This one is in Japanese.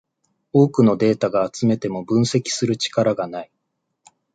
多くのデータが集めても分析する力がない